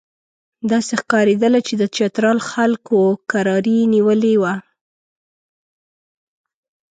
داسې ښکارېدله چې د چترال خلکو کراري نیولې وه.